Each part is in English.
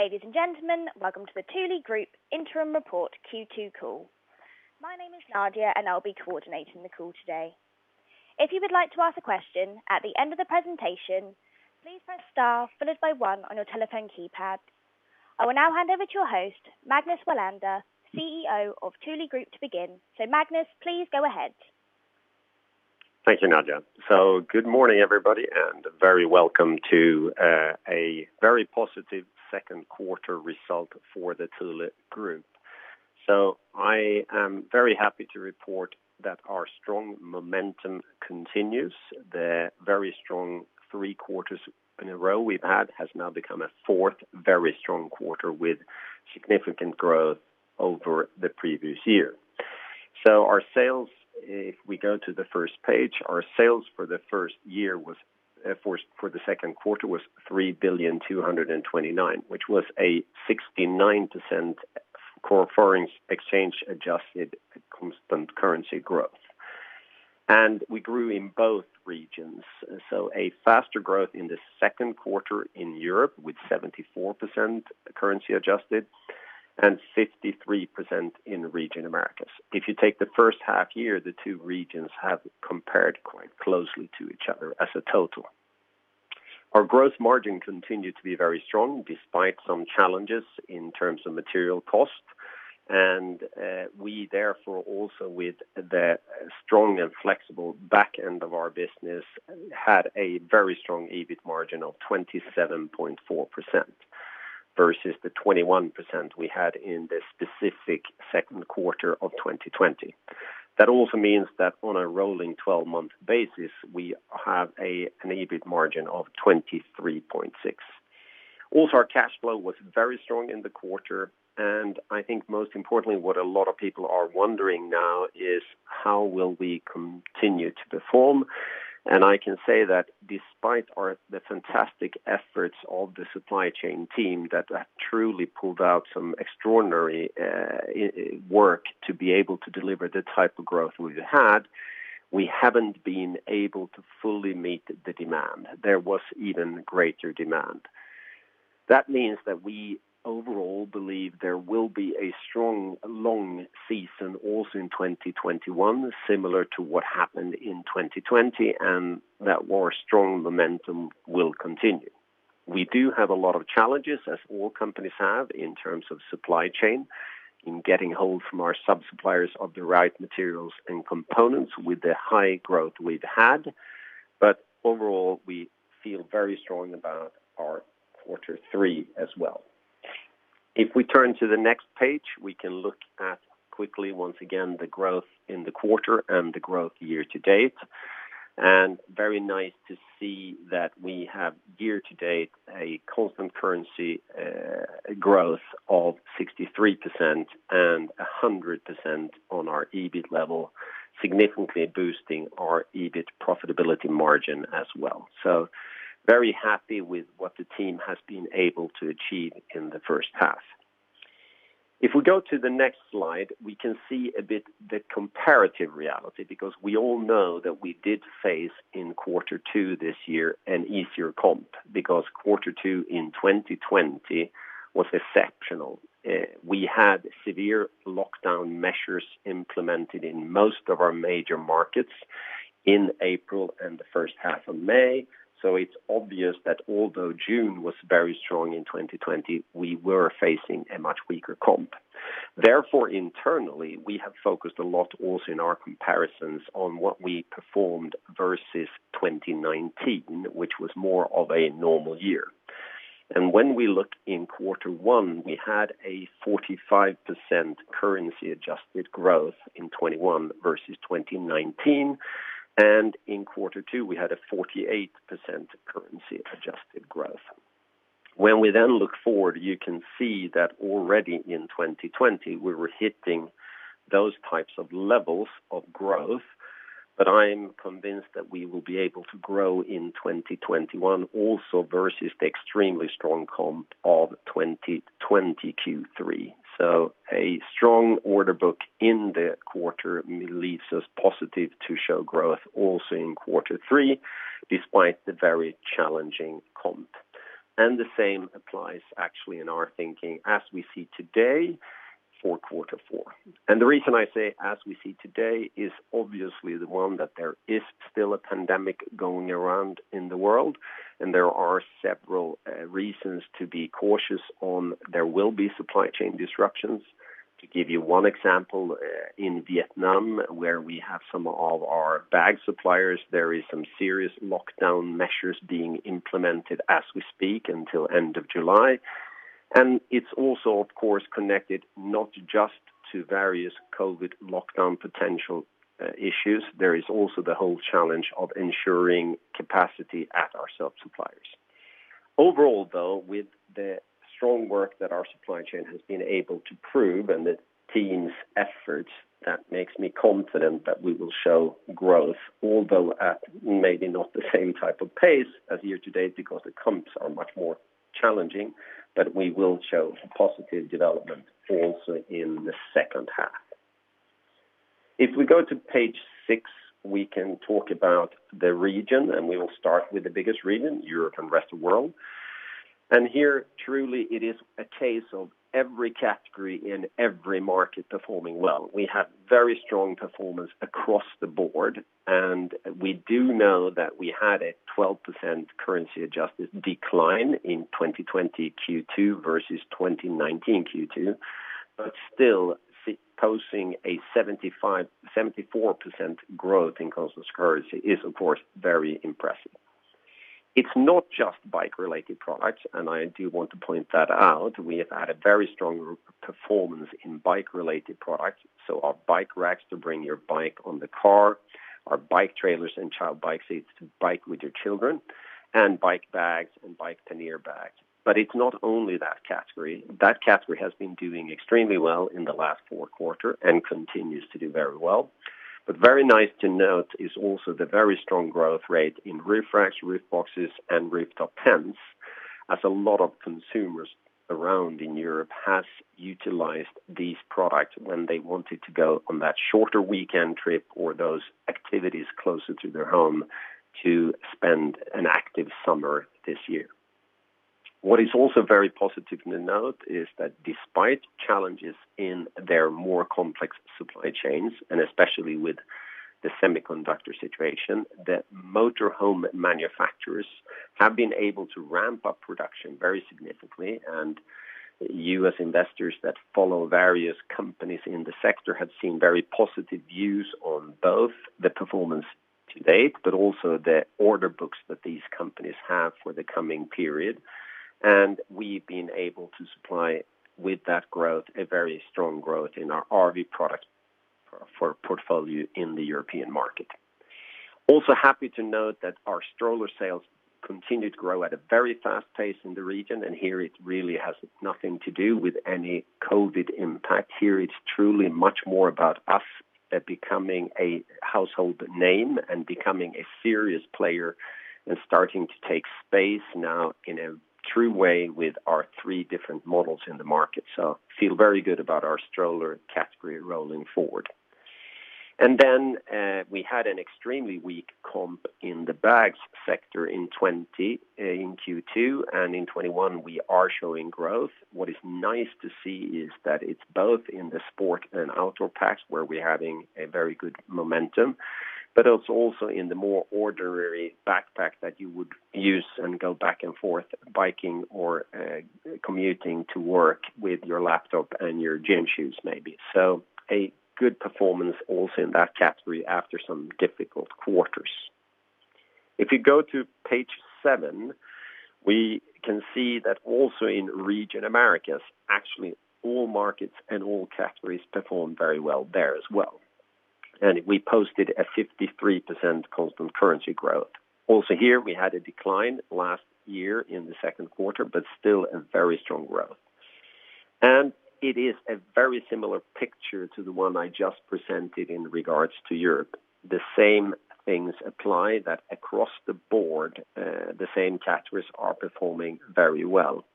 Ladies and gentlemen, welcome to the Thule Group Interim Report Q2 Call. My name is Nadia, and I'll be coordinating the call today. If you would like to ask a question at the end of the presentation, please press star followed by one on your telephone keypad. I will now hand over to your host, Magnus Welander, CEO of Thule Group to begin. Magnus, please go ahead. Thank you, Nadia. Good morning, everybody, and very welcome to a very positive Q2 result for the Thule Group. I am very happy to report that our strong momentum continues. The very strong three quarters in a row we've had has now become a fourth very strong quarter with significant growth over the previous year. Our sales, if we go to the first page, our sales for the Q2 were 3,229,000,000, which was a 69% foreign exchange adjusted constant currency growth. We grew in both regions, a faster growth in the Q2 in Europe with 74% currency adjusted and 53% in region Americas. If you take the H1 year, the two regions have compared quite closely to each other as a total. Our gross margin continued to be very strong despite some challenges in terms of material cost and we therefore also with the strong and flexible back end of our business, had a very strong EBIT margin of 27.4% versus the 21% we had in the specific Q2 of 2020. That also means that on a rolling 12-month basis, we have an EBIT margin of 23.6%. Our cash flow was very strong in the quarter, and I think most importantly, what a lot of people are wondering now is how will we continue to perform. I can say that despite the fantastic efforts of the supply chain team that have truly pulled out some extraordinary work to be able to deliver the type of growth we've had, we haven't been able to fully meet the demand. There was even greater demand. That means that we overall believe there will be a strong long season also in 2021, similar to what happened in 2020, and that our strong momentum will continue. We do have a lot of challenges, as all companies have, in terms of supply chain, in getting hold from our sub-suppliers of the right materials and components with the high growth we've had. Overall, we feel very strong about our quarter three as well. If we turn to the next page, we can look at quickly once again, the growth in the quarter and the growth year to date. Very nice to see that we have year to date a constant currency growth of 63% and 100% on our EBIT level, significantly boosting our EBIT profitability margin as well. Very happy with what the team has been able to achieve in the H1. If we go to the next slide, we can see a bit the comparative reality, because we all know that we did face in quarter two this year an easier comp, because Q2 in 2020 was exceptional. We had severe lockdown measures implemented in most of our major markets in April and the H1 of May. It's obvious that although June was very strong in 2020, we were facing a much weaker comp. Therefore, internally, we have focused a lot also in our comparisons on what we performed versus 2019, which was more of a normal year. When we look in Q1, we had a 45% currency adjusted growth in 2021 versus 2019, and in Q2, we had a 48% currency adjusted growth. When we look forward, you can see that already in 2020, we were hitting those types of levels of growth, I'm convinced that we will be able to grow in 2021 also versus the extremely strong comp of 2020 Q3. A strong order book in the quarter leaves us positive to show growth also in quarter three, despite the very challenging comp. The same applies actually in our thinking as we see today for Q4. The reason I say as we see today is obviously the one that there is still a pandemic going around in the world, and there are several reasons to be cautious on there will be supply chain disruptions. To give you one example, in Vietnam, where we have some of our bag suppliers, there is some serious lockdown measures being implemented as we speak until end of July. It's also, of course, connected not just to various COVID lockdown potential issues, there is also the whole challenge of ensuring capacity at our sub-suppliers. Overall, though, with the strong work that our supply chain has been able to prove and the team's efforts, that makes me confident that we will show growth, although at maybe not the same type of pace as year-to-date because the comps are much more challenging, but we will show positive development also in the H2. If we go to page six, we can talk about the region. We will start with the biggest region, Europe and Rest of World. Here, truly, it is a case of every category in every market performing well. We have very strong performance across the board, and we do know that we had a 12% currency-adjusted decline in 2020 Q2 versus 2019 Q2, but still, posting a 74% growth in constant currency is, of course, very impressive. It's not just bike-related products, and I do want to point that out. We have had a very strong performance in bike-related products, so our bike racks to bring your bike on the car, our bike trailers and child bike seats to bike with your children, and bike bags and bike pannier bags. It's not only that category. That category has been doing extremely well in the last Q4 and continues to do very well. Very nice to note is also the very strong growth rate in roof racks, roof boxes, and rooftop tents, as a lot of consumers around in Europe have utilized these products when they wanted to go on that shorter weekend trip or those activities closer to their home to spend an active summer this year. What is also very positive to note is that despite challenges in their more complex supply chains, and especially with the semiconductor situation, the motor home manufacturers have been able to ramp up production very significantly. U.S. investors that follow various companies in the sector have seen very positive views on both the performance to date, but also the order books that these companies have for the coming period. We've been able to supply with that growth, a very strong growth in our RV product for portfolio in the European market. Also happy to note that our stroller sales continue to grow at a very fast pace in the region, and here it really has nothing to do with any COVID impact. Here, it's truly much more about us at becoming a household name and becoming a serious player and starting to take space now in a true way with our three different models in the market. Feel very good about our stroller category rolling forward. We had an extremely weak comp in the bags sector in Q2, and in 2021, we are showing growth. What is nice to see is that it's both in the sport and outdoor packs where we're having a very good momentum, but it's also in the more ordinary backpack that you would use and go back and forth biking or commuting to work with your laptop and your gym shoes, maybe. A good performance also in that category after some difficult quarters. If you go to page seven, we can see that also in region Americas, actually all markets and all categories perform very well there as well. We posted a 53% constant currency growth. Also here, we had a decline last year in the Q2, but still a very strong growth. It is a very similar picture to the one I just presented in regards to Europe. The same things apply that across the board, the same categories are performing very well.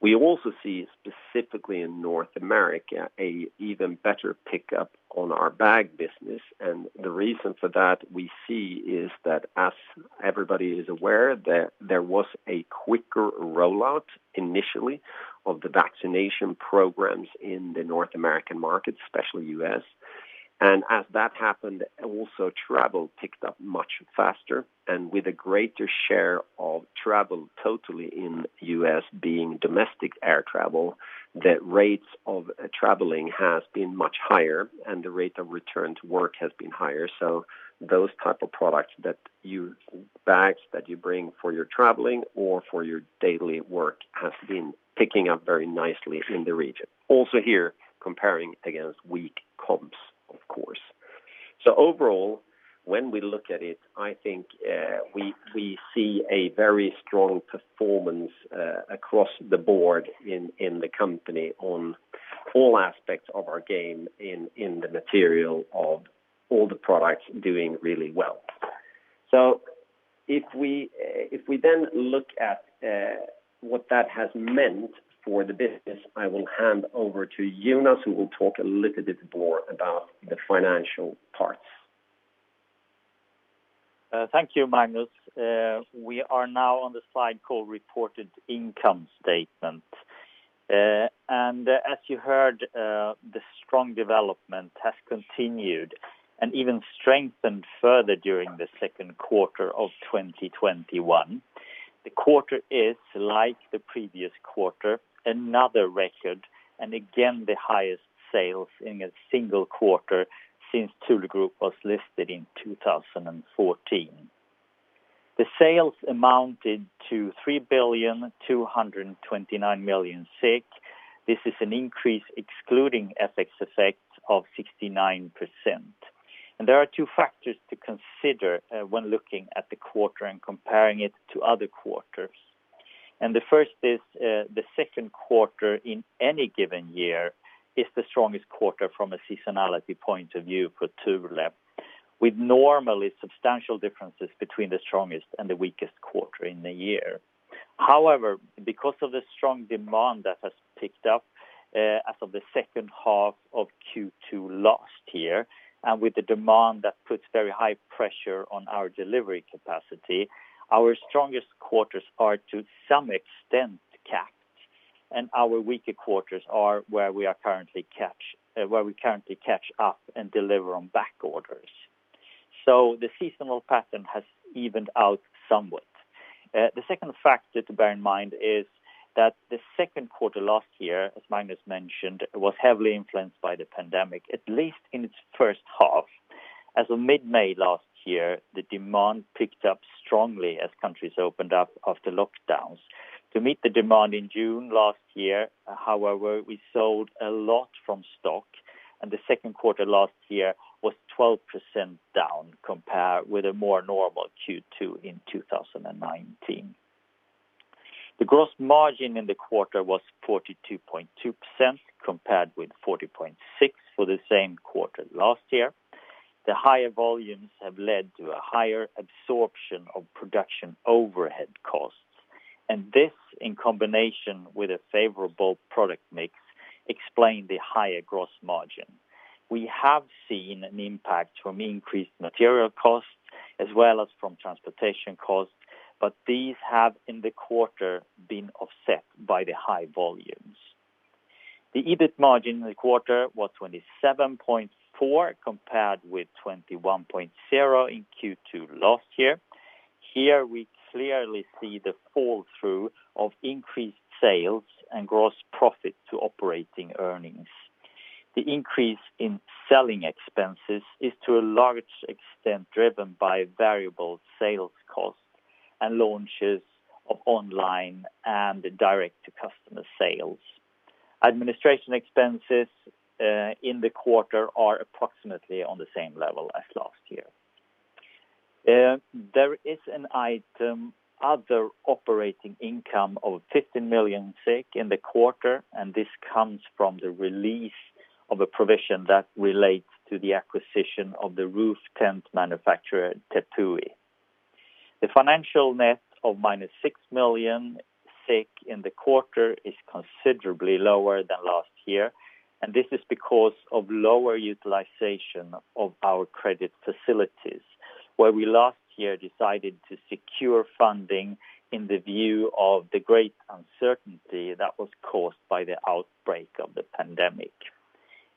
We also see specifically in North America, a even better pickup on our bag business. The reason for that we see is that as everybody is aware, there was a quicker rollout initially of the vaccination programs in the North American market, especially U.S. As that happened, also travel picked up much faster and with a greater share of travel totally in U.S. being domestic air travel, the rates of traveling has been much higher, and the rate of return to work has been higher. Those type of products bags that you bring for your traveling or for your daily work has been picking up very nicely in the region, also here, comparing against weak comps, of course. Overall, when we look at it, I think we see a very strong performance across the board in the company on all aspects of our game in the material of all the products doing really well. If we then look at what that has meant for the business, I will hand over to Jonas, who will talk a little bit more about the financial parts. Thank you, Magnus. We are now on the slide called reported income statement. As you heard, the strong development has continued and even strengthened further during the Q2 of 2021. The quarter is, like the previous quarter, another record, and again, the highest sales in a single quarter since Thule Group was listed in 2014. The sales amounted to 3,229,000,000. This is an increase excluding FX effects of 69%. There are two factors to consider when looking at the quarter and comparing it to other quarters. The first is, the Q2 in any given year is the strongest quarter from a seasonality point of view for Thule Group with normally substantial differences between the strongest and the weakest quarter in the year. However, because of the strong demand that has picked up as of the H2 of Q2 last year, and with the demand that puts very high pressure on our delivery capacity, our strongest quarters are to some extent capped, and our weaker quarters are where we currently catch up and deliver on back orders. The seasonal pattern has evened out somewhat. The second factor to bear in mind is that the Q2 last year, as Magnus mentioned, was heavily influenced by the pandemic, at least in its H1. As of mid-May last year, the demand picked up strongly as countries opened up after lockdowns. To meet the demand in June last year, however, we sold a lot from stock, and the Q2 last year was 12% down compared with a more normal Q2 in 2019. The gross margin in the quarter was 42.2% compared with 40.6% for the same quarter last year. The higher volumes have led to a higher absorption of production overhead costs, and this, in combination with a favorable product mix, explained the higher gross margin. We have seen an impact from increased material costs as well as from transportation costs, but these have in the quarter been offset by the high volumes. The EBIT margin in the quarter was 27.4% compared with 21.0% in Q2 last year. Here we clearly see the fall through of increased sales and gross profit to operating earnings. The increase in selling expenses is to a large extent driven by variable sales costs and launches of online and direct-to-customer sales. Administration expenses in the quarter are approximately on the same level as last year. There is an item, other operating income of 50 million in the quarter. This comes from the release of a provision that relates to the acquisition of the roof tent manufacturer, Tepui. The financial net of minus 6 million in the quarter is considerably lower than last year. This is because of lower utilization of our credit facilities, where we last year decided to secure funding in the view of the great uncertainty that was caused by the outbreak of the pandemic.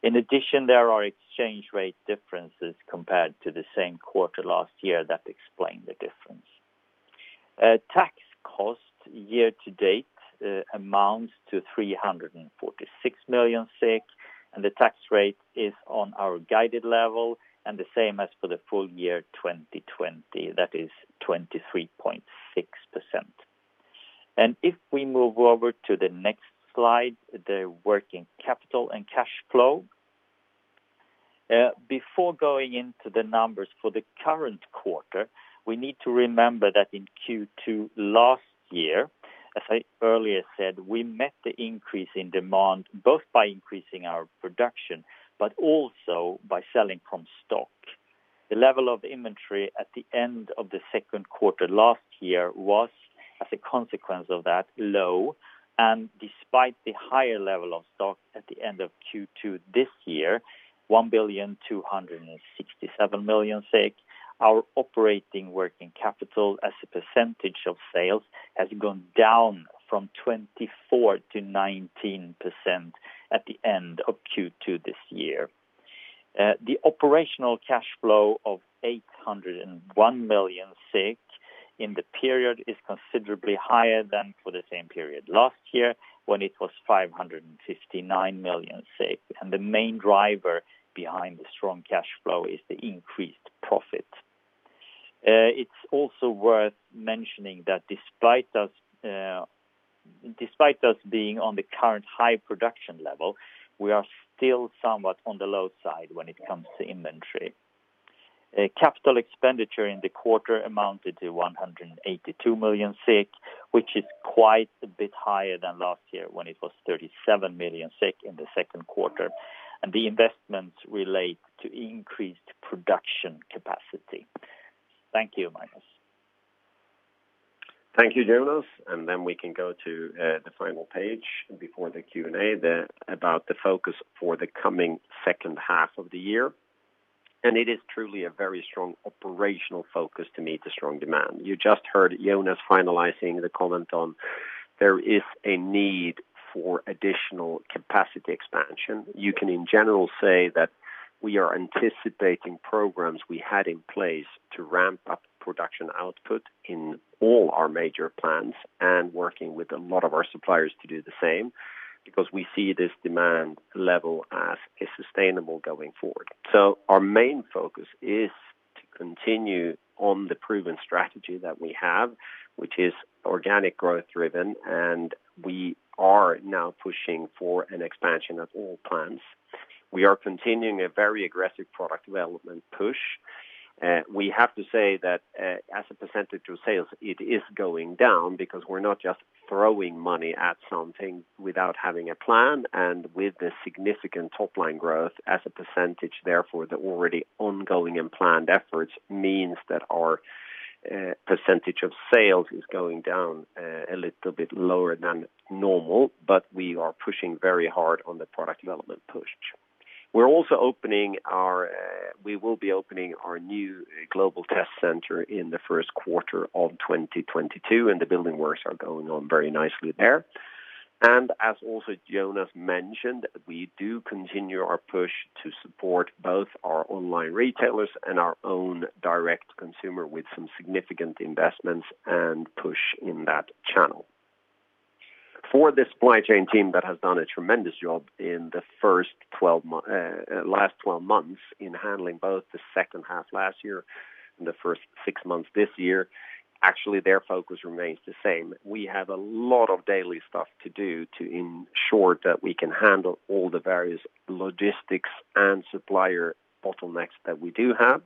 In addition, there are exchange rate differences compared to the same quarter last year that explain the difference. Tax cost year to date amounts to 346 million SEK. The tax rate is on our guided level and the same as for the full year 2020, that is 23.6%. If we move over to the next slide, the working capital and cash flow. Before going into the numbers for the current quarter, we need to remember that in Q2 last year, as I earlier said, we met the increase in demand both by increasing our production, but also by selling from stock. The level of inventory at the end of the Q2 last year was, as a consequence of that, low, and despite the higher level of stock at the end of Q2 this year, 1,267,000,000, our operating working capital as a percentage of sales has gone down from 24%-19% at the end of Q2 this year. The operational cash flow of 801 million in the period is considerably higher than for the same period last year when it was 559 million. The main driver behind the strong cash flow is the increased profit. It's also worth mentioning that despite us being on the current high production level, we are still somewhat on the low side when it comes to inventory. Capital expenditure in the quarter amounted to 182 million, which is quite a bit higher than last year when it was 37 million in the Q2. The investments relate to increased production capacity. Thank you, Magnus. Thank you, Jonas. We can go to the final page before the Q&A, about the focus for the coming H2 of the year. It is truly a very strong operational focus to meet the strong demand. You just heard Jonas finalizing the comment on there is a need for additional capacity expansion. You can in general say that we are anticipating programs we had in place to ramp up production output in all our major plants and working with a lot of our suppliers to do the same because we see this demand level as sustainable going forward. Our main focus is to continue on the proven strategy that we have, which is organic growth driven, and we are now pushing for an expansion of all plants. We are continuing a very aggressive product development push. We have to say that as a percentage of sales, it is going down because we're not just throwing money at something without having a plan and with the significant top-line growth as a percentage, therefore, the already ongoing and planned efforts means that our percentage of sales is going down a little bit lower than normal, but we are pushing very hard on the product development push. We will be opening our new global test center in the Q1 of 2022, and the building works are going on very nicely there. As also Jonas mentioned, we do continue our push to support both our online retailers and our own direct consumer with some significant investments and push in that channel. For the supply chain team that has done a tremendous job in the last 12 months in handling both the H2 last year and the first six months this year, actually, their focus remains the same. We have a lot of daily stuff to do to ensure that we can handle all the various logistics and supplier bottlenecks that we do have.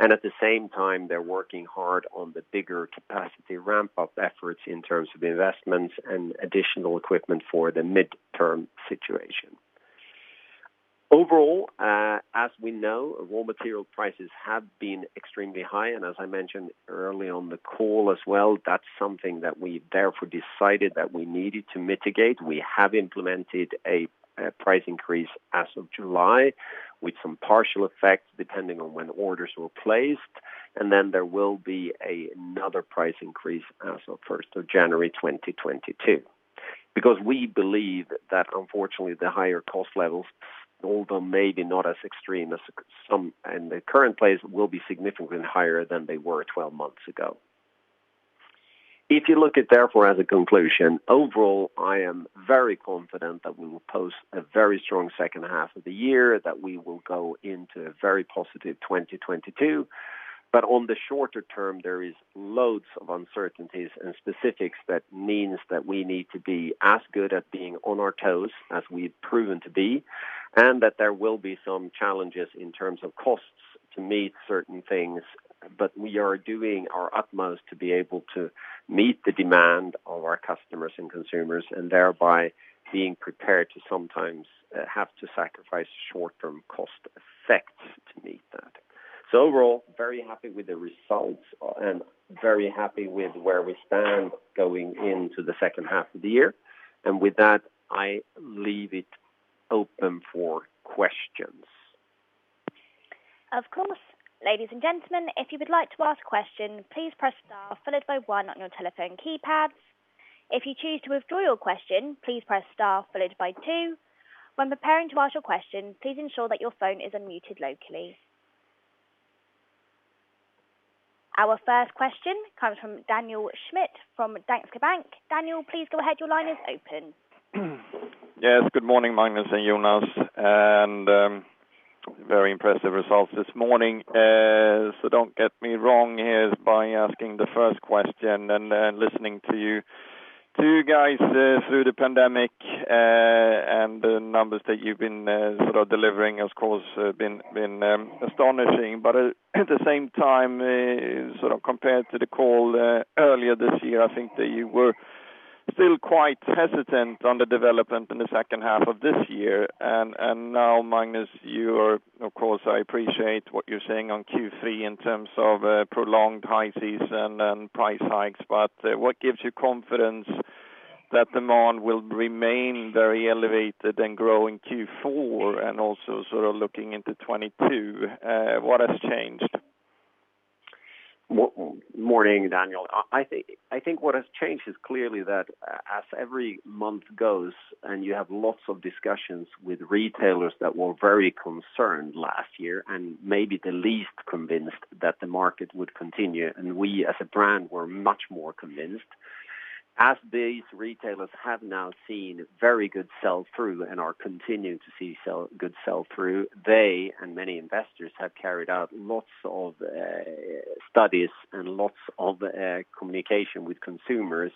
At the same time, they're working hard on the bigger capacity ramp-up efforts in terms of investments and additional equipment for the midterm situation. Overall, as we know, raw material prices have been extremely high, and as I mentioned early on the call as well, that's something that we therefore decided that we needed to mitigate. We have implemented a price increase as of July, with some partial effects, depending on when orders were placed, and then there will be another price increase as of 1st of January 2022. We believe that unfortunately the higher cost levels, although maybe not as extreme as some in the current place, will be significantly higher than they were 12 months ago. If you look at therefore as a conclusion, overall, I am very confident that we will post a very strong H2 of the year, that we will go into a very positive 2022. On the shorter term, there is loads of uncertainties and specifics that means that we need to be as good at being on our toes as we've proven to be, and that there will be some challenges in terms of costs to meet certain things. We are doing our utmost to be able to meet the demand of our customers and consumers and thereby being prepared to sometimes have to sacrifice short-term cost effects to meet that. Overall, very happy with the results and very happy with where we stand going into the H2 of the year. With that, I leave it open for questions. Of course. Ladies and gentlemen, if you would like to ask a question, please press star followed by one on your telephone keypads. If you choose to withdraw your question, please press star followed by two. When preparing to ask your question, please ensure that your phone is unmuted locally. Our first question comes from Daniel Schmidt from Danske Bank. Daniel, please go ahead. Your line is open. Yes. Good morning, Magnus and Jonas, very impressive results this morning. Don't get me wrong here by asking the first question listening to you two guys through the pandemic, the numbers that you've been sort of delivering has, of course, been astonishing. At the same time, sort of compared to the call earlier this year, I think that you were still quite hesitant on the development in the H2 of this year. Now, Magnus, of course, I appreciate what you're saying on Q3 in terms of prolonged high season and price hikes, what gives you confidence that demand will remain very elevated and grow in Q4 sort of looking into 2022? What has changed? Morning, Daniel. I think what has changed is clearly that as every month goes and you have lots of discussions with retailers that were very concerned last year and maybe the least convinced that the market would continue, and we as a brand were much more convinced. As these retailers have now seen very good sell-through and are continuing to see good sell-through, they and many investors have carried out lots of studies and lots of communication with consumers,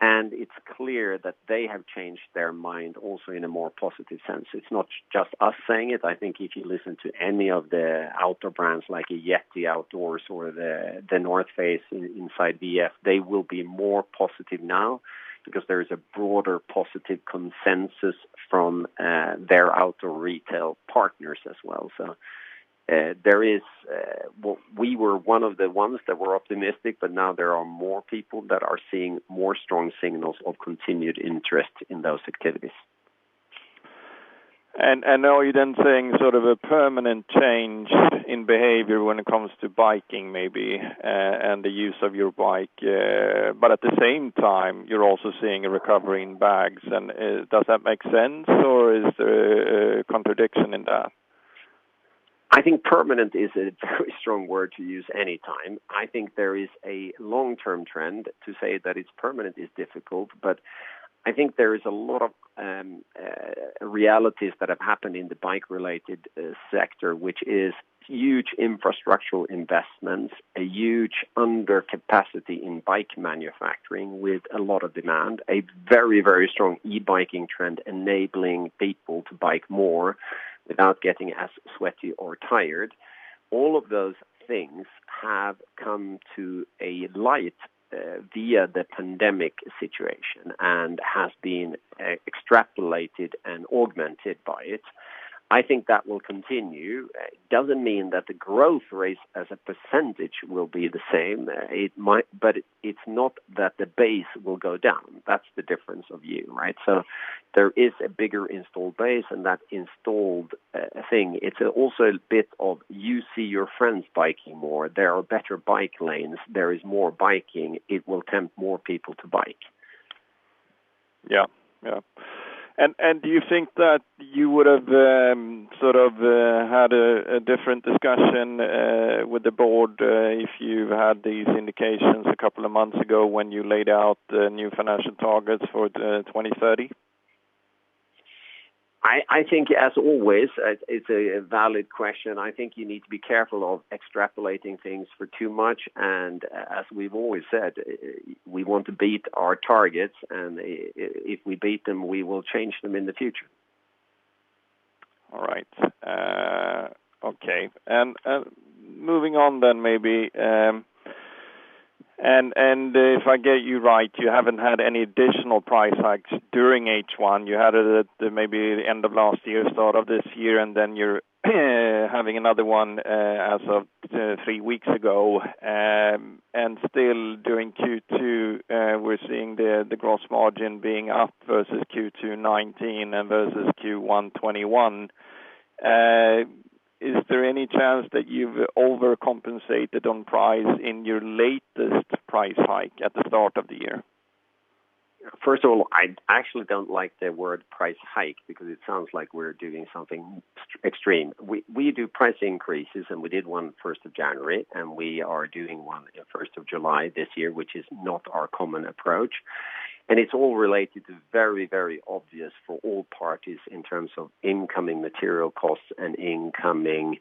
and it's clear that they have changed their mind also in a more positive sense. It's not just us saying it. I think if you listen to any of the outdoor brands like YETI or The North Face inside VF, they will be more positive now because there is a broader positive consensus from their outdoor retail partners as well. We were one of the ones that were optimistic, now there are more people that are seeing more strong signals of continued interest in those activities. Now you're then seeing sort of a permanent change in behavior when it comes to biking, maybe, and the use of your bike. At the same time, you're also seeing a recovery in bags. Does that make sense, or is there a contradiction in that? I think permanent is a very strong word to use any time. I think there is a long-term trend. To say that it's permanent is difficult, I think there is a lot of realities that have happened in the bike-related sector, which is huge infrastructural investments, a huge undercapacity in bike manufacturing with a lot of demand, a very, very strong e-biking trend enabling people to bike more without getting as sweaty or tired. All of those things have come to a light via the pandemic situation and has been extrapolated and augmented by it. I think that will continue. It doesn't mean that the growth rates as a percentage will be the same. It's not that the base will go down. That's the difference of view. There is a bigger installed base, and that installed thing, it's also a bit of you see your friends biking more. There are better bike lanes, there is more biking. It will tempt more people to bike. Yeah. Do you think that you would have had a different discussion with the board if you'd had these indications a couple of months ago when you laid out the new financial targets for 2030? I think, as always, it's a valid question. I think you need to be careful of extrapolating things for too much, and as we've always said, we want to beat our targets, and if we beat them, we will change them in the future. All right. Okay. Moving on then maybe, and if I get you right, you haven't had any additional price hikes during H1. You had it at maybe the end of last year, start of this year, and then you're having another one as of three weeks ago. Still during Q2, we're seeing the gross margin being up versus Q2 2019 and versus Q1 2021. Is there any chance that you've overcompensated on price in your latest price hike at the start of the year? First of all, I actually don't like the word price hike because it sounds like we're doing something extreme. We do price increases, and we did one the 1st,January, and we are doing one the first of July this year, which is not our common approach. It's all related to very obvious for all parties in terms of incoming material costs and incoming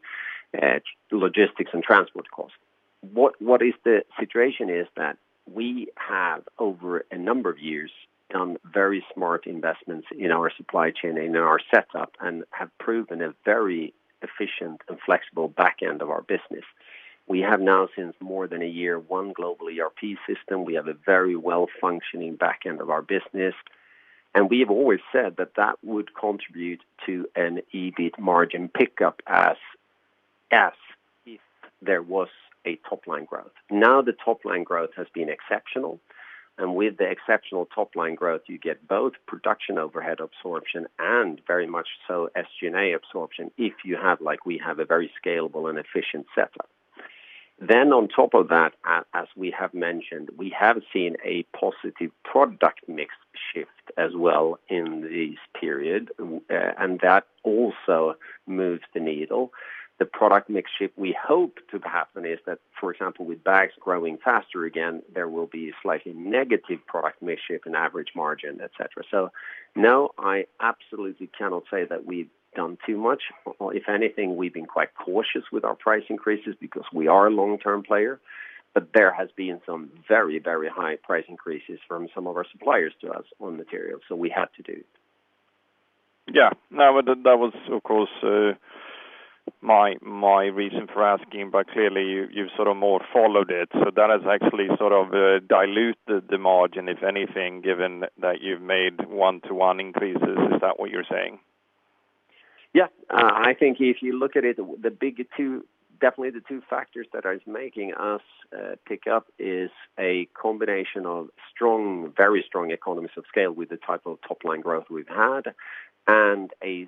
logistics and transport costs. What is the situation is that we have, over a number of years, done very smart investments in our supply chain and in our setup and have proven a very efficient and flexible back end of our business. We have now, since more than a year, one global ERP system. We have a very well-functioning back end of our business, and we have always said that that would contribute to an EBIT margin pickup as if there was a top-line growth. The top-line growth has been exceptional, and with the exceptional top-line growth, you get both production overhead absorption and very much so SG&A absorption if you have, like we have, a very scalable and efficient setup. On top of that, as we have mentioned, we have seen a positive product mix shift as well in this period. That also moves the needle. The product mix shift we hope to happen is that, for example, with bags growing faster again, there will be a slightly negative product mix shift and average margin, et cetera. No, I absolutely cannot say that we've done too much. If anything, we've been quite cautious with our price increases because we are a long-term player. There has been some very high price increases from some of our suppliers to us on materials, so we had to do it. Yeah. No, that was, of course, my reason for asking, but clearly you've sort of more followed it. That has actually sort of diluted the margin, if anything, given that you've made one-to-one increases. Is that what you're saying? Yeah. I think if you look at it, definitely the two factors that are making us pick up is a combination of very strong economies of scale with the type of top-line growth we've had and a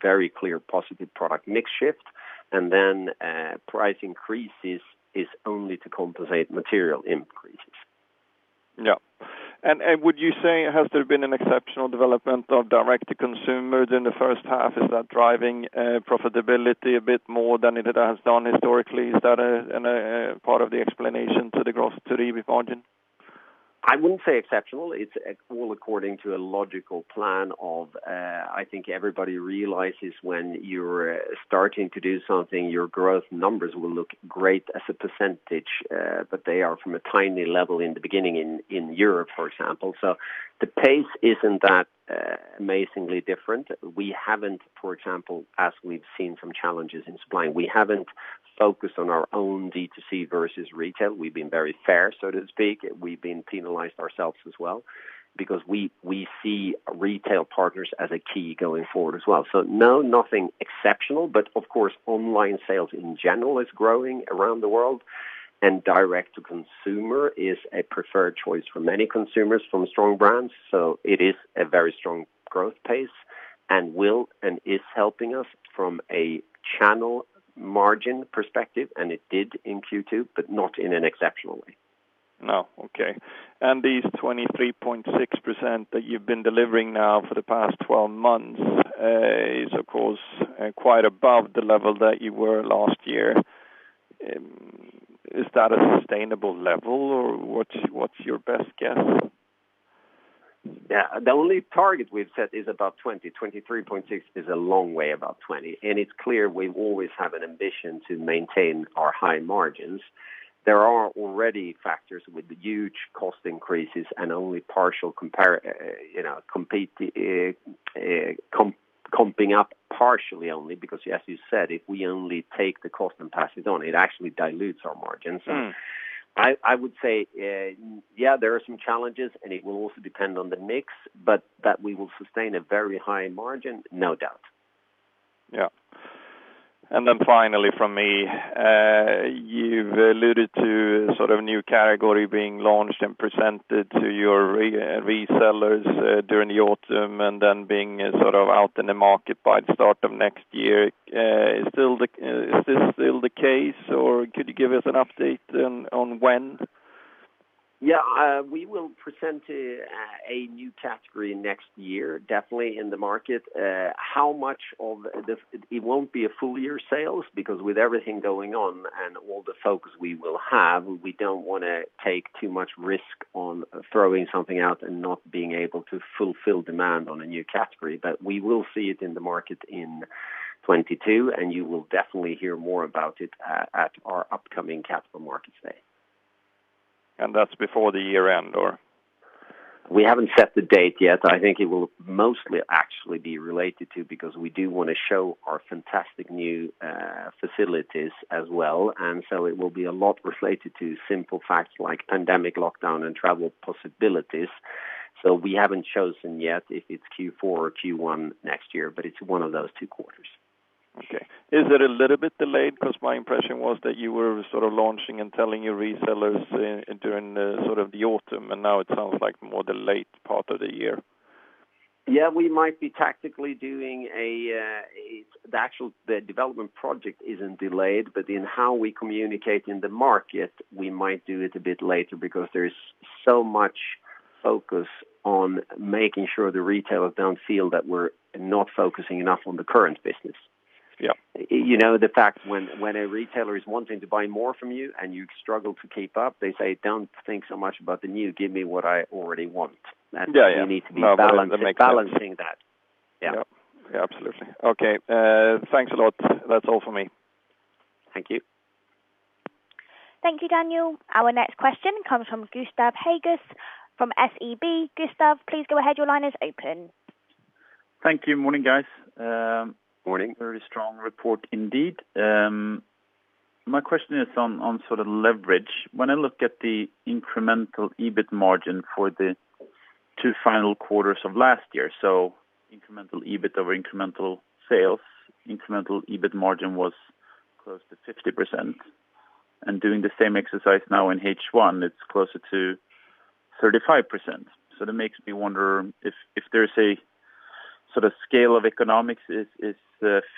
very clear positive product mix shift. Price increases is only to compensate material increases. Yeah. Would you say, has there been an exceptional development of direct to consumer during the H1? Is that driving profitability a bit more than it has done historically? Is that a part of the explanation to the gross EBIT margin? I wouldn't say exceptional. It's all according to a logical plan of, I think everybody realizes when you're starting to do something, your growth numbers will look great as a percentage, but they are from a tiny level in the beginning in Europe, for example. The pace isn't that amazingly different. We haven't, for example, as we've seen some challenges in supplying, we haven't focused on our own D2C versus retail. We've been very fair, so to speak. We've been penalized ourselves as well because we see retail partners as a key going forward as well. No, nothing exceptional, but of course, online sales in general is growing around the world, and direct to consumer is a preferred choice for many consumers from strong brands. It is a very strong growth pace and will and is helping us from a channel margin perspective, and it did in Q2, but not in an exceptional way. No. Okay. These 23.6% that you've been delivering now for the past 12 months is, of course, quite above the level that you were last year. Is that a sustainable level, or what's your best guess? Yeah. The only target we've set is about 20%. 23.6% is a long way about 20%. It's clear we always have an ambition to maintain our high margins. There are already factors with the huge cost increases and comping up partially only because, as you said, if we only take the cost and pass it on, it actually dilutes our margins. I would say, yeah, there are some challenges, and it will also depend on the mix, but that we will sustain a very high margin, no doubt. Yeah. Finally from me, you've alluded to sort of new category being launched and presented to your resellers during the autumn, and then being out in the market by the start of next year. Is this still the case, or could you give us an update on when? Yeah. We will present a new category next year, definitely in the market. It won't be a full year sales because with everything going on and all the focus we will have, we don't want to take too much risk on throwing something out and not being able to fulfill demand on a new category. We will see it in the market in 2022, and you will definitely hear more about it at our upcoming capital markets day. That's before the year end, or? We haven't set the date yet. I think it will mostly actually be related to, because we do want to show our fantastic new facilities as well. It will be a lot related to simple facts like pandemic lockdown and travel possibilities. We haven't chosen yet if it's Q4 or Q1 next year, but it's one of those two quarters. Okay. Is it a little bit delayed? My impression was that you were sort of launching and telling your resellers during the autumn, and now it sounds like more the late part of the year. Yeah, the development project isn't delayed, but in how we communicate in the market, we might do it a bit later because there's so much focus on making sure the retailers don't feel that we're not focusing enough on the current business. Yeah. You know the fact when a retailer is wanting to buy more from you and you struggle to keep up, they say, "Don't think so much about the new, give me what I already want. Yeah. You need to be balancing that. Yeah. Yeah. Absolutely. Okay. Thanks a lot. That's all for me. Thank you. Thank you, Daniel. Our next question comes from Gustav Hagéus from SEB. Gustav, please go ahead. Your line is open. Thank you. Morning, guys. Morning. Very strong report indeed. My question is on sort of leverage. When I look at the incremental EBIT margin for the two final quarters of last year, so incremental EBIT over incremental sales, incremental EBIT margin was close to 50%. Doing the same exercise now in H1, it's closer to 35%. That makes me wonder if there's a sort of scale of economics is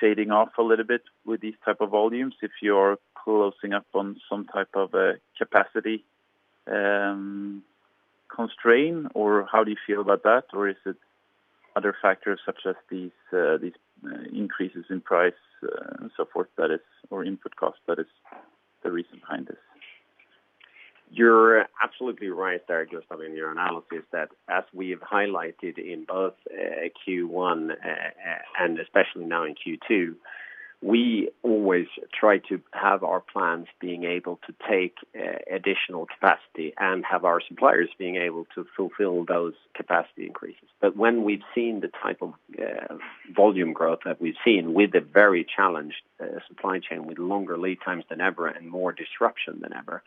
fading off a little bit with these type of volumes, if you're closing up on some type of a capacity constraint, or how do you feel about that? Is it other factors such as these increases in price and so forth, or input cost that is the reason behind this? You're absolutely right there, Gustav, in your analysis that as we've highlighted in both Q1 and especially now in Q2, we always try to have our plans being able to take additional capacity and have our suppliers being able to fulfill those capacity increases. When we've seen the type of volume growth that we've seen with the very challenged supply chain, with longer lead times than ever and more disruption than ever,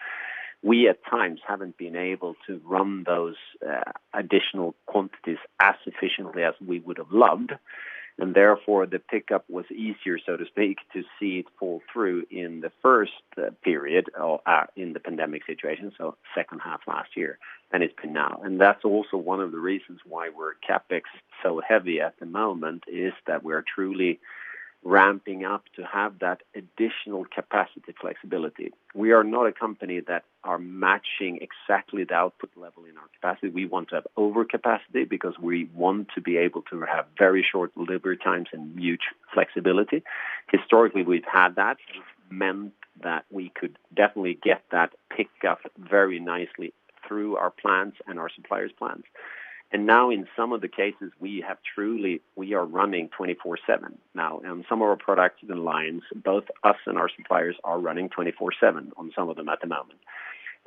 we at times haven't been able to run those additional quantities as efficiently as we would've loved, and therefore, the pickup was easier, so to speak, to see it pull through in the first period or in the pandemic situation, so H2 last year, and it's been now. That's also one of the reasons why we're CapEx so heavy at the moment, is that we're truly ramping up to have that additional capacity flexibility. We are not a company that are matching exactly the output level in our capacity. We want to have over capacity because we want to be able to have very short delivery times and huge flexibility. Historically, we've had that, which meant that we could definitely get that pickup very nicely through our plans and our suppliers' plans. Now in some of the cases, we are running 24/7 now. In some of our products and lines, both us and our suppliers are running 24/7 on some of them at the moment.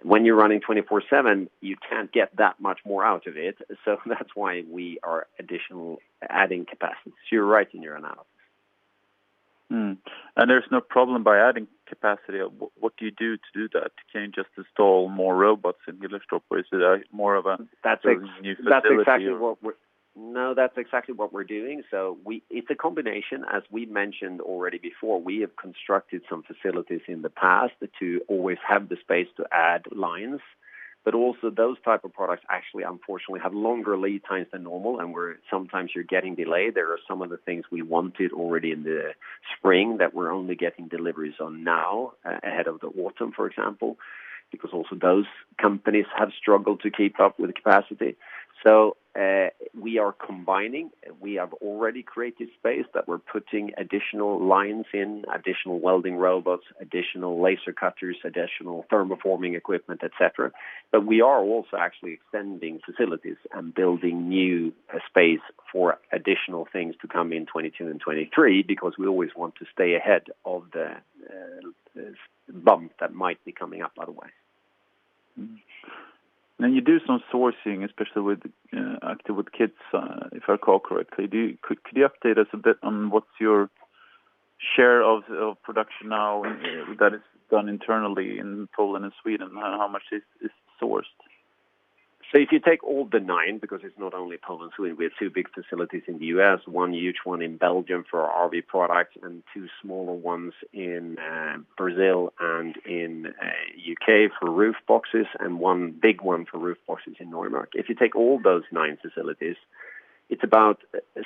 When you're running 24/7, you can't get that much more out of it. That's why we are additional adding capacity. You're right in your analysis. There's no problem by adding capacity. What do you do to do that? You can't just install more robots in Hillerstorp. Is it a more of a new facility? No, that's exactly what we're doing. It's a combination. As we mentioned already before, we have constructed some facilities in the past to always have the space to add lines, but also those type of products actually, unfortunately, have longer lead times than normal, and where sometimes you're getting delayed. There are some of the things we wanted already in the spring that we're only getting deliveries on now, ahead of the autumn, for example, because also those companies have struggled to keep up with capacity. We are combining. We have already created space that we're putting additional lines in, additional welding robots, additional laser cutters, additional thermoforming equipment, et cetera. We are also actually extending facilities and building new space for additional things to come in 2022 and 2023 because we always want to stay ahead of the bump that might be coming up, by the way. You do some sourcing, especially with Active with Kids, if I recall correctly. Could you update us a bit on what's your share of production now that is done internally in Poland and Sweden? How much is sourced? If you take all the nine, because it's not only Poland and Sweden, we have two big facilities in the U.S., one huge one in Belgium for our RV Products and two smaller ones in Brazil and in the U.K. for roof boxes and one big one for roof boxes in Neumarkt. If you take all those 9 facilities, it's about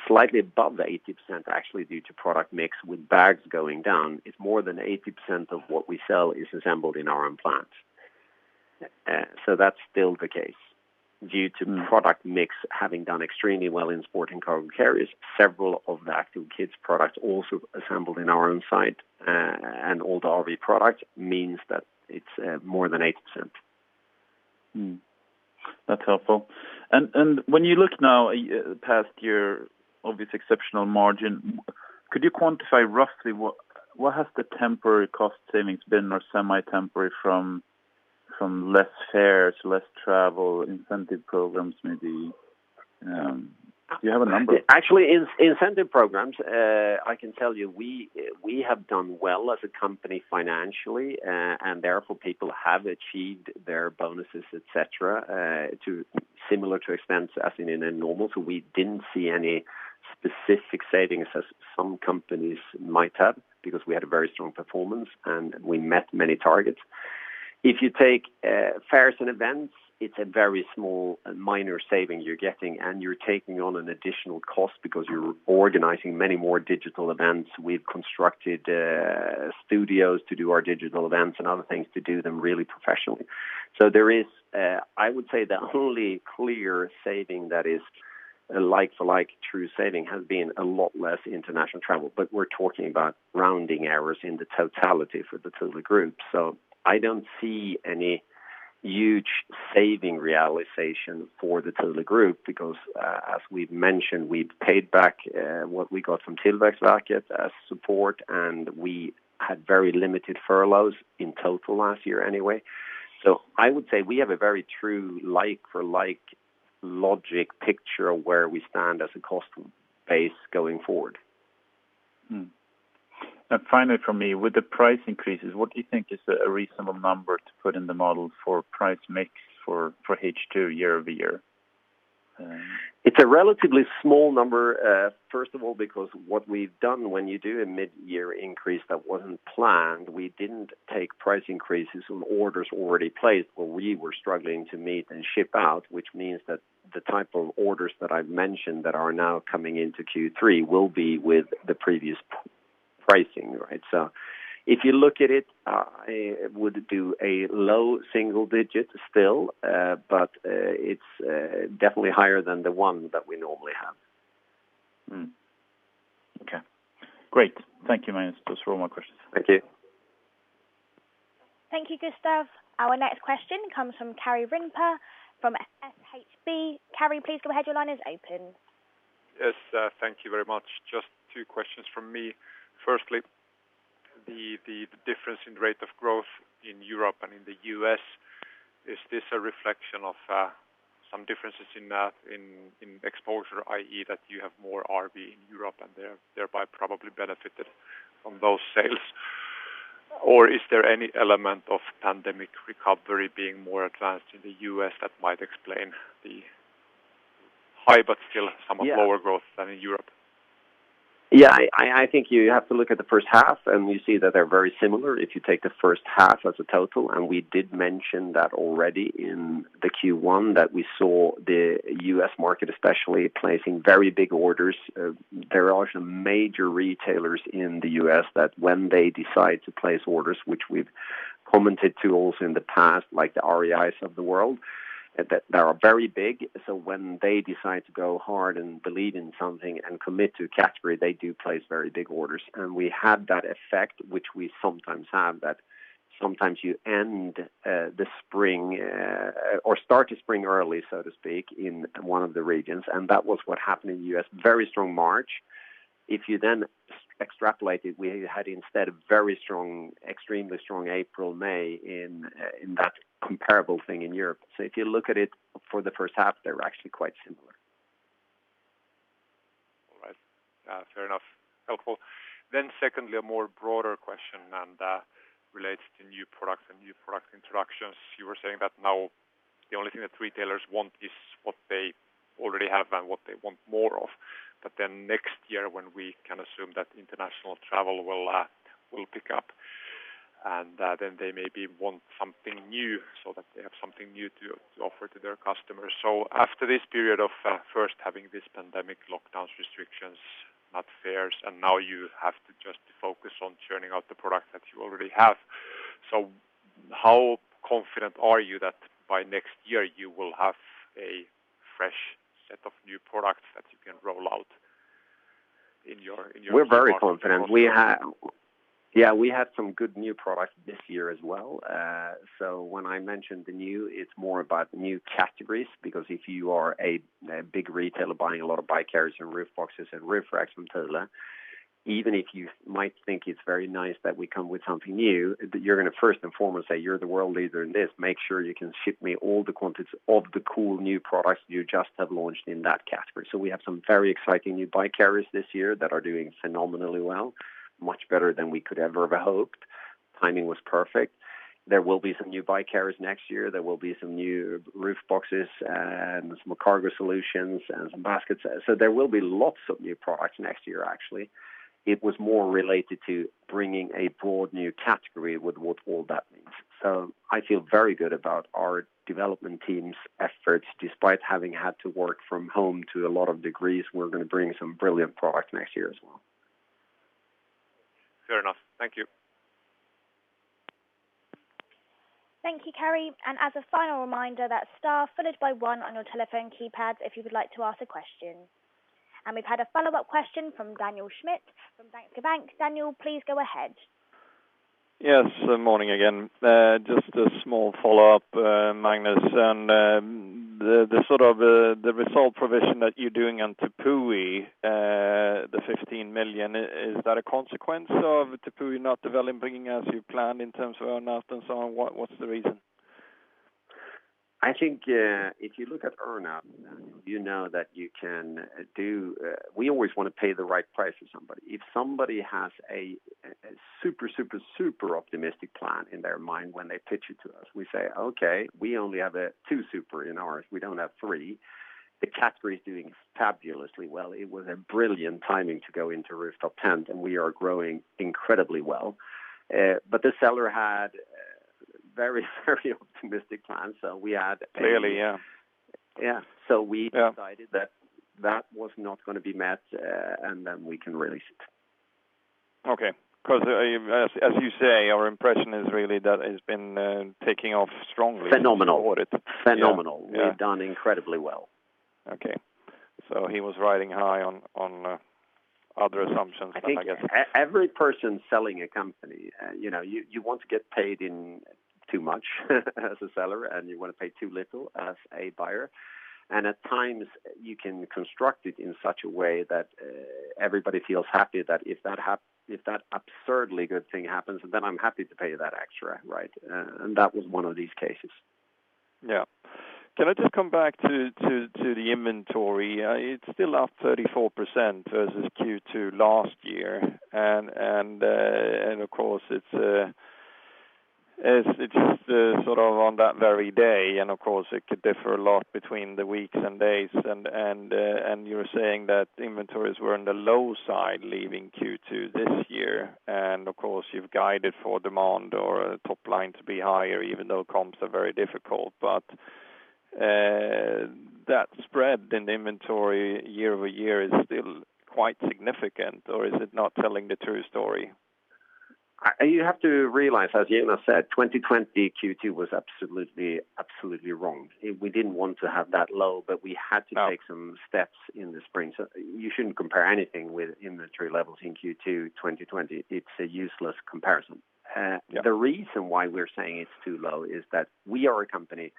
slightly above the 80% actually due to product mix with bags going down. It's more than 80% of what we sell is assembled in our own plants. That's still the case. Due to product mix having done extremely well in sport and cargo carriers, several of the Active with Kids products also assembled in our own site, and all the RV Product means that it's more than 80%. That's helpful. When you look now past your obvious exceptional margin, could you quantify roughly what has the temporary cost savings been or semi-temporary from less fairs, less travel, incentive programs, maybe? Do you have a number? Actually, incentive programs, I can tell you, we have done well as a company financially, and therefore people have achieved their bonuses, et cetera, to similar to expense as in a normal. We didn't see any specific savings as some companies might have because we had a very strong performance and we met many targets. If you take fairs and events, it's a very small minor saving you're getting, and you're taking on an additional cost because you're organizing many more digital events. We've constructed studios to do our digital events and other things to do them really professionally. There is, I would say the only clear saving that is a like to like true saving has been a lot less international travel, but we're talking about rounding errors in the totality for the Thule Group. I don't see any huge saving realization for the Thule Group because, as we've mentioned, we've paid back what we got from Tillväxtverket as support, and we had very limited furloughs in total last year anyway. I would say we have a very true like for like logic picture of where we stand as a cost base going forward. Finally from me, with the price increases, what do you think is a reasonable number to put in the model for price mix for H2 year-over-year? It's a relatively small number, first of all because what we've done when you do a mid-year increase that wasn't planned, we didn't take price increases on orders already placed where we were struggling to meet and ship out, which means that the type of orders that I've mentioned that are now coming into Q3 will be with the previous pricing, right? If you look at it, I would do a low single digit still, but it's definitely higher than the one that we normally have. Okay. Great. Thank you, Magnus. Those are all my questions. Thank you. Thank you, Gustav. Our next question comes from Karri Rinta from SHB. Karri, please go ahead. Your line is open. Yes, thank you very much. Just two questions from me. Firstly, the difference in rate of growth in Europe and in the U.S., is this a reflection of some differences in exposure, i.e., that you have more RV in Europe and thereby probably benefited from those sales? Is there any element of pandemic recovery being more advanced in the U.S. that might explain the high but still somewhat lower growth than in Europe? Yeah, I think you have to look at the H1. You see that they're very similar if you take the H1 as a total. We did mention that already in the Q1 that we saw the U.S. market especially placing very big orders. There are some major retailers in the U.S. that when they decide to place orders, which we've commented to also in the past, like the REIs of the world, that they are very big. When they decide to go hard and believe in something and commit to a category, they do place very big orders. We had that effect, which we sometimes have, that sometimes you end the spring or start the spring early, so to speak, in one of the regions, and that was what happened in the U.S. Very strong March. If you extrapolate it, we had instead a very strong, extremely strong April, May in that comparable thing in Europe. If you look at it for the H1, they were actually quite similar. All right. Fair enough. Helpful. Secondly, a more broader question, and that relates to new products and new product introductions. You were saying that now the only thing that retailers want is what they already have and what they want more of. Next year, when we can assume that international travel will pick up, and then they maybe want something new so that they have something new to offer to their customers. After this period of first having this pandemic lockdowns restrictions, not fairs, and now you have to just focus on churning out the product that you already have. How confident are you that by next year you will have a fresh set of new products that you can roll out in your- We're very confident. Yeah, we had some good new products this year as well. When I mentioned the new, it's more about the new categories because if you are a big retailer buying a lot of bike carriers and roof boxes and roof racks from Thule, even if you might think it's very nice that we come with something new, you're going to first and foremost say, "You're the world leader in this. Make sure you can ship me all the quantities of the cool new products you just have launched in that category." We have some very exciting new bike carriers this year that are doing phenomenally well, much better than we could ever have hoped. Timing was perfect. There will be some new bike carriers next year. There will be some new roof boxes and some cargo solutions and some baskets. There will be lots of new products next year, actually. It was more related to bringing a broad new category with what all that means. I feel very good about our development team's efforts. Despite having had to work from home to a lot of degrees, we're going to bring some brilliant product next year as well. Fair enough. Thank you. Thank you, Karri. As a final reminder, that's star followed by one on your telephone keypads if you would like to ask a question. We've had a follow-up question from Daniel Schmidt from Danske Bank. Daniel, please go ahead. Yes, good morning again. Just a small follow-up, Magnus, on the result provision that you're doing on Tepui, the 5 million. Is that a consequence of Tepui not developing as you planned in terms of earn-out and so on? What's the reason? I think if you look at earn-out, you know that we always want to pay the right price for somebody. If somebody has a super optimistic plan in their mind when they pitch it to us, we say, "Okay, we only have two super in ours. We don't have three." The category is doing fabulously well. It was a brilliant timing to go into rooftop tents, and we are growing incredibly well. The seller had very optimistic plans. Clearly, yeah. Yeah. We decided that was not going to be met, and then we can release it. Okay. As you say, our impression is really that it's been taking off strongly. Phenomenal. Got it. Phenomenal. Yeah. We've done incredibly well. Okay. He was riding high on other assumptions, I guess. I think every person selling a company, you want to get paid in too much as a seller, and you want to pay too little as a buyer. At times, you can construct it in such a way that everybody feels happy that if that absurdly good thing happens, then I'm happy to pay you that extra, right? That was one of these cases. Yeah. Can I just come back to the inventory? It's still up 34% versus Q2 last year. Of course, it's just sort of on that very day, and of course, it could differ a lot between the weeks and days. You're saying that inventories were on the low side leaving Q2 this year. Of course, you've guided for demand or top line to be higher, even though comps are very difficult. That spread in inventory year-over-year is still quite significant, or is it not telling the true story? You have to realize, as Jonas said, 2020 Q2 was absolutely wrong. We didn't want to have that low, but we had to take some steps in the spring. You shouldn't compare anything with inventory levels in Q2 2020. It's a useless comparison. Yeah. The reason why we're saying it's too low is that we are a company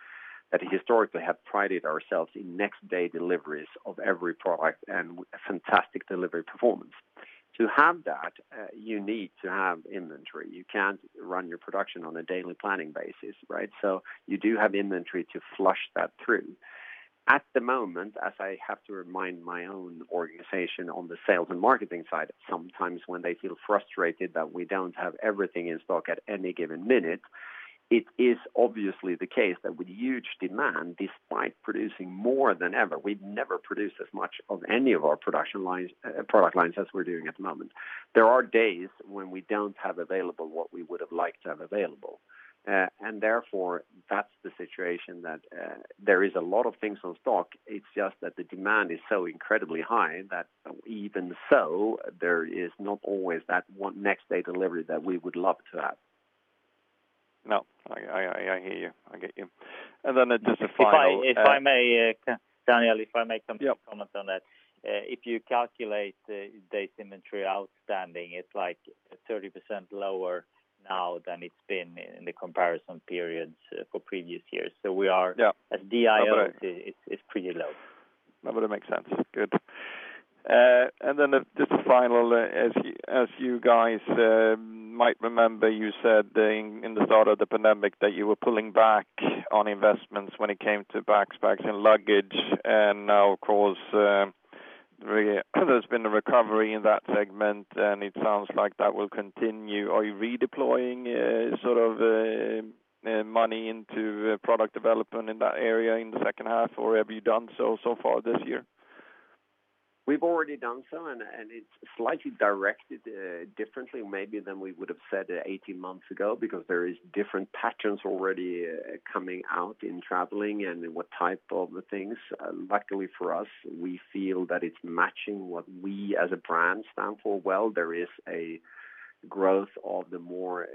that historically have prided ourselves in next-day deliveries of every product and fantastic delivery performance. To have that, you need to have inventory. You can't run your production on a daily planning basis, right? You do have inventory to flush that through. At the moment, as I have to remind my own organization on the sales and marketing side, sometimes when they feel frustrated that we don't have everything in stock at any given minute, it is obviously the case that with huge demand, despite producing more than ever, we've never produced as much of any of our product lines as we're doing at the moment. There are days when we don't have available what we would have liked to have available. Therefore, that's the situation that there is a lot of things on stock. It's just that the demand is so incredibly high that even so, there is not always that next-day delivery that we would love to have. No, I hear you. I get you. Daniel, if I may make some comments on that. Yeah. If you calculate days inventory outstanding, it's like 30% lower now than it's been in the comparison periods for previous years. Yeah. As DIO, it's pretty low. That would make sense. Good. Just final, as you guys might remember, you said in the start of the pandemic that you were pulling back on investments when it came to backpacks and luggage. Now, of course, there's been a recovery in that segment, and it sounds like that will continue. Are you redeploying money into product development in that area in the H2, or have you done so far this year? We've already done so, it's slightly directed differently maybe than we would've said 18 months ago because there is different patterns already coming out in traveling and in what type of things. Luckily for us, we feel that it's matching what we as a brand stand for well. There is a growth of the more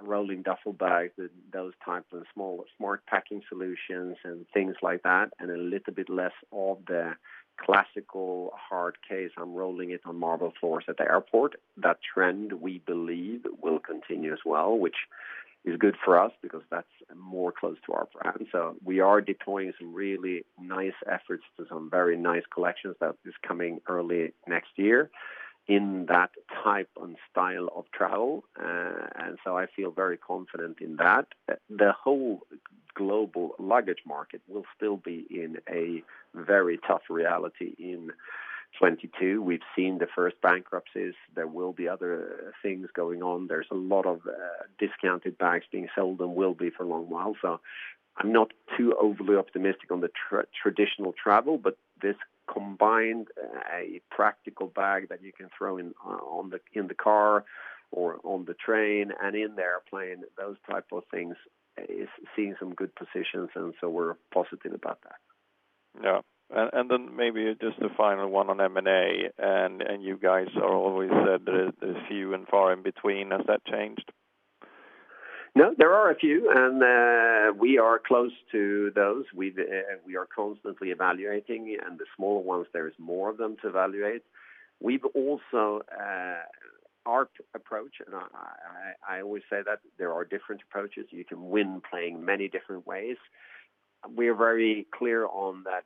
rolling duffel bags, those types of small, smart packing solutions and things like that, and a little bit less of the classical hard case, I'm rolling it on marble floors at the airport. That trend, we believe, will continue as well, which is good for us because that's more close to our brand. We are deploying some really nice efforts to some very nice collections that is coming early next year in that type and style of travel. I feel very confident in that. The whole global luggage market will still be in a very tough reality in 2022. We've seen the first bankruptcies. There will be other things going on. There's a lot of discounted bags being sold and will be for a long while. I'm not too overly optimistic on the traditional travel, but this combined, a practical bag that you can throw in the car or on the train and in the airplane, those type of things, is seeing some good positions. We're positive about that. Yeah. Maybe just the final one on M&A, and you guys have always said that it is few and far in between. Has that changed? No, there are a few, and we are close to those. We are constantly evaluating, and the smaller ones, there is more of them to evaluate. Our approach, and I always say that there are different approaches. You can win playing many different ways. We are very clear on that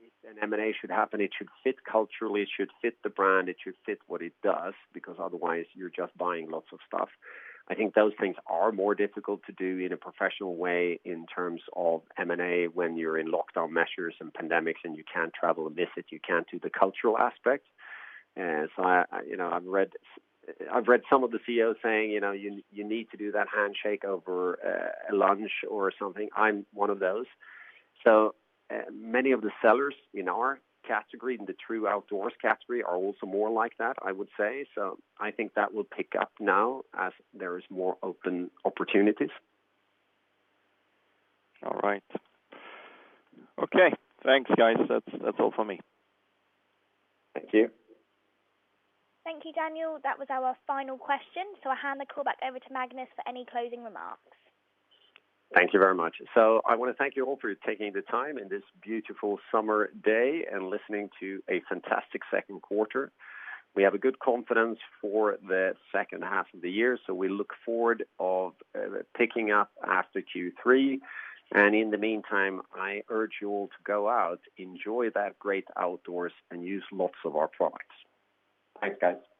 if an M&A should happen, it should fit culturally, it should fit the brand, it should fit what it does, because otherwise you're just buying lots of stuff. I think those things are more difficult to do in a professional way in terms of M&A when you're in lockdown measures and pandemics, and you can't travel and visit, you can't do the cultural aspect. I've read some of the CEOs saying, "You need to do that handshake over a lunch or something." I'm one of those. Many of the sellers in our category, in the true outdoors category, are also more like that, I would say. I think that will pick up now as there is more open opportunities. All right. Okay. Thanks, guys. That's all for me. Thank you. Thank you, Daniel. That was our final question, so I'll hand the call back over to Magnus for any closing remarks. Thank you very much. I want to thank you all for taking the time in this beautiful summer day and listening to a fantastic Q2. We have a good confidence for the H2 of the year, so we look forward of picking up after Q3. In the meantime, I urge you all to go out, enjoy that great outdoors, and use lots of our products. Thanks, guys.